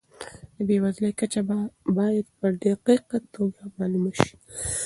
د بېوزلۍ کچه باید په دقیقه توګه معلومه سي.